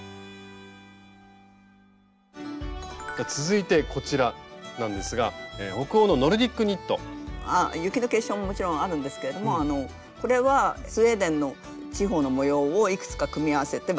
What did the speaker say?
続いてこちらなんですが北欧の雪の結晶ももちろんあるんですけれどもこれはスウェーデンの地方の模様をいくつか組み合わせて。